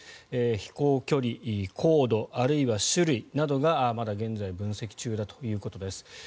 飛行距離、高度あるいは種類などがまだ現在分析中だということです。